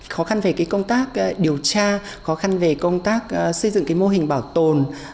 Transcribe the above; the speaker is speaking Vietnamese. khó khăn về công tác điều tra khó khăn về công tác xây dựng cái mô hình bảo tồn